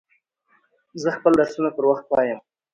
زه خپل درسونه پر وخت وایم.